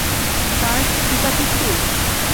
Surge, ঠিক আছিস তুই?